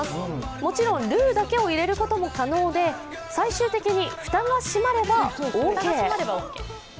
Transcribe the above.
もちろんルーだけを入れることも可能で、最終的に蓋が閉まればオーケー。